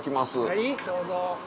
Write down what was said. はいどうぞ。